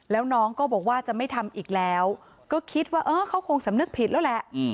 แล้วน้องก็บอกว่าจะไม่ทำอีกแล้วก็คิดว่าเออเขาคงสำนึกผิดแล้วแหละ